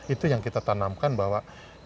itu yang kita tanamkan bahwa